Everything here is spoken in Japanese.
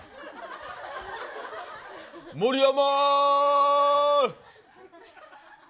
盛山